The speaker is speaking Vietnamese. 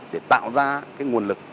để tạo ra cái nguồn lực